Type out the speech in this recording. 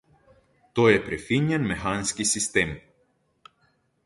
To je prefinjen mehanski sistem!